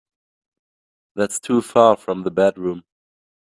That's too far from the bedroom.